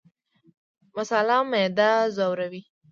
مساله معده ځوروي